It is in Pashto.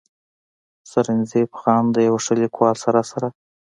“ سرنزېب خان د يو ښه ليکوال سره سره